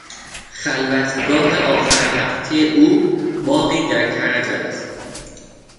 خلوتگاه آخر هفتهی او باغی در کرج است.